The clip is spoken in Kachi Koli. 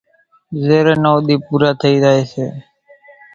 زيرين نوَ ۮي پورا ٿئي زائي سي